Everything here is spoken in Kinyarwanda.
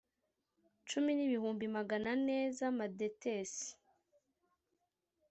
cumi n ibihumbi magana ane z amadetesi